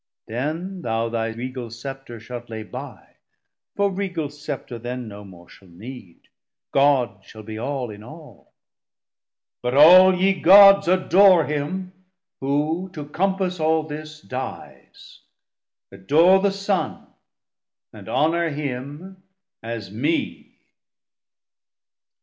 Then thou thy regal Scepter shalt lay by, For regal Scepter then no more shall need, 340 God shall be All in All. But all ye Gods, Adore him, who to compass all this dies, Adore the Son, and honour him as mee.